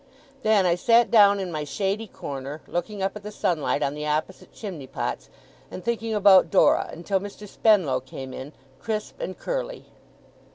Then I sat down in my shady corner, looking up at the sunlight on the opposite chimney pots, and thinking about Dora; until Mr. Spenlow came in, crisp and curly.